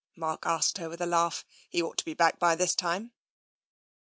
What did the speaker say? Mark asked her, with a laugh. " He ought to be back by this time."